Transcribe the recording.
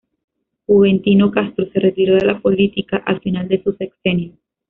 Juventino Castro se retiró de la política al final de su sexenio.